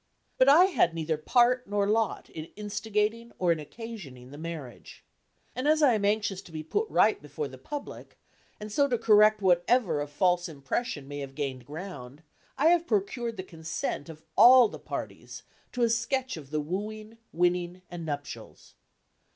But I had neither part nor lot in instigating or in occasioning the marriage. And as I am anxious to be put right before the public, and so to correct whatever of false impression may have gained ground, I have procured the consent of all the parties to a sketch of the wooing, winning and nuptials.